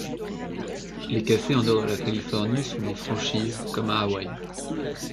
Les cafés en dehors de la Californie sont des franchises, comme à Hawaii.